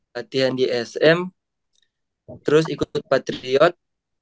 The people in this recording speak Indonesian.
latihan di sm terus ikut patriot